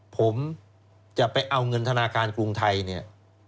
ผมจะไปเอาเงินธนาคารกรุงไทยเนี่ย